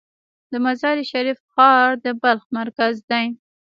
د مزار شریف ښار د بلخ مرکز دی